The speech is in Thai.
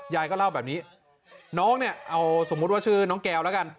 ยายก็เล่าแบบนี้น้องเนี่ยเอาสมมุติว่าชื่อน้องแก้วแล้วกัน